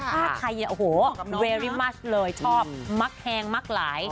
ภาพไทยโอ้โหเวรี่มัชเลยชอบมักแห้งมักหลาย